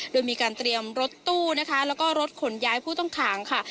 โดยมีการเตรียมรถตู้นะคะแล้วก็รถขนย้ายผู้ต้องขังค่ะ